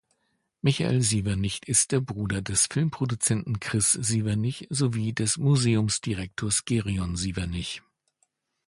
Michael Sievernich ist der Bruder des Filmproduzenten Chris Sievernich sowie des Museumsdirektors Gereon Sievernich.